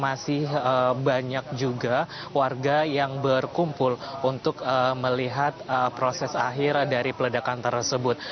masih banyak juga warga yang berkumpul untuk melihat proses akhir dari peledakan tersebut